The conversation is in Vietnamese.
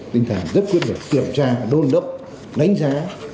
tinh thần rất quyết định kiểm tra đôn đốc đánh giá